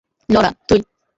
Laura, তুই!